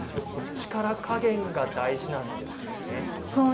力加減が大事なんですよね。